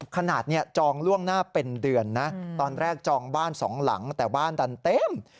ขนาดจองล่วงหน้าเป็นเดือนนะตอนแรกจองบ้าน๒หลังแต่บ้านดันเต็ม